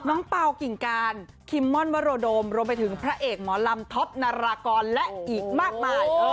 เปล่ากิ่งการคิมม่อนวโรโดมรวมไปถึงพระเอกหมอลำท็อปนารากรและอีกมากมาย